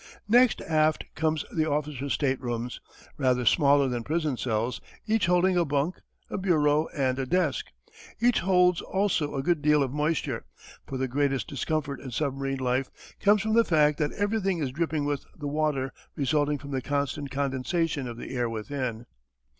Next aft come the officers' staterooms, rather smaller than prison cells, each holding a bunk, a bureau, and a desk. Each holds also a good deal of moisture, for the greatest discomfort in submarine life comes from the fact that everything is dripping with the water resulting from the constant condensation of the air within.